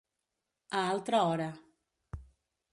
A altra hora.